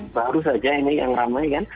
baru saja ini yang ramai kan